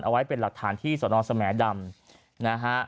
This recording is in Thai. เอาไว้เป็นหลักฐานที่สอนรสแสมดำ